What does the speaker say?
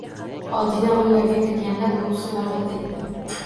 Odina o`nlarga kirganda buvisi vafot etdi